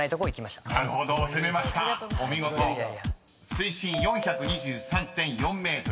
［水深４２３．４ｍ］